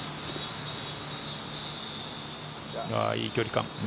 いい距離感。